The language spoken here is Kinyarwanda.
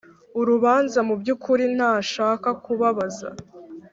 Urubanza mu by ukuri ntashaka kubabaza